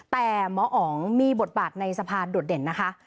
แต่หมออ๋องมีบทบาทในสะพานโดดเด่นนะคะ